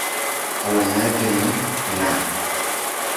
Alama yake ni Na.